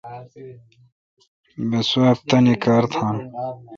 بہ سوا بہ تانی کار تھان